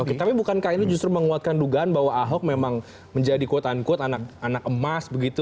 oke tapi bukan kainnya justru menguatkan dugaan bahwa ahok memang menjadi kuat an kuat anak emas begitu